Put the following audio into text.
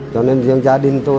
cho nên riêng gia đình tôi